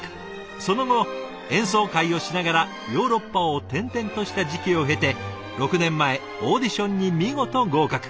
その後演奏会をしながらヨーロッパを転々とした時期を経て６年前オーディションに見事合格。